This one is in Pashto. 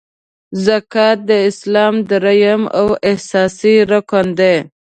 زکات د اسلام دریم او اساسې رکن دی .